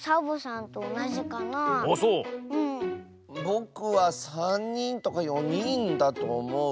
ぼくはさんにんとかよにんだとおもう。